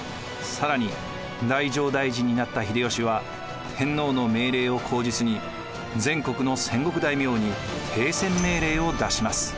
更に太政大臣になった秀吉は天皇の命令を口実に全国の戦国大名に停戦命令を出します。